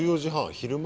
昼間？